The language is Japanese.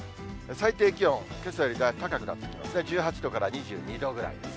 最低気温、けさよりは高くなってますね、１８度から２２度ぐらいです。